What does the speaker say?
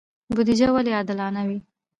بودجه ولې عادلانه وي؟